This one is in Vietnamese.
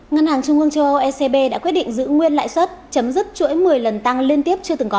ngân hàng trung ương châu âu ecb đã quyết định giữ nguyên lãi suất chấm dứt chuỗi một mươi lần tăng liên tiếp chưa từng có